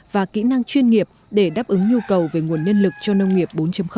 và kỹ năng chuyên nghiệp để đáp ứng nhu cầu về nguồn nhân lực cho nông nghiệp bốn